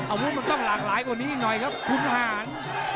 อาวุธมันต้องหลากหลายกว่านี้อีกหน่อยครับคุณหาร